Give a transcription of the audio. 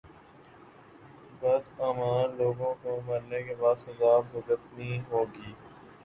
بداعمال لوگوں کو مرنے کے بعد سزا بھگتنی ہوگی